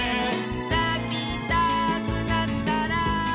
「なきたくなったら」